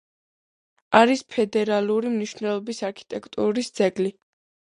არის ფედერალური მნიშვნელობის არქიტექტურის ძეგლი.